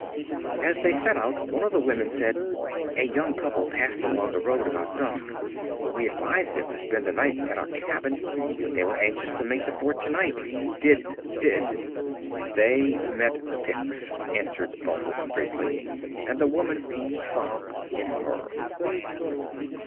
As they set out, one of the women said: 'A young couple passed along the road about dusk; we advised them to spend the night at our cabin, but they were anxious to make the fort tonight. Did did '. 'They met the Picts,' answered Balthus briefly, and the woman sobbed in horror.